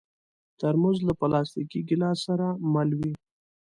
ترموز له پلاستيکي ګیلاس سره مل وي.